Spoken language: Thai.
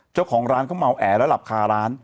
เจ้าของร้านเขาเมาแอแล้วหลับคาร้าน